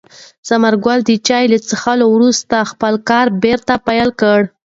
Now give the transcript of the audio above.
ثمر ګل د چای له څښلو وروسته خپل کار بیا پیل کړ.